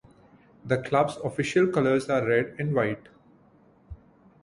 The club's official colours are red and white.